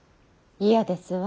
嫌ですわ。